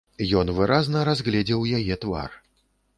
Ён выразна разгледзеў яе твар.